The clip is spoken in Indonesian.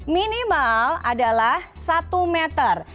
minimal adalah satu meter